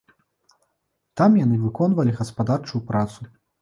Там яны выконвалі гаспадарчую працу.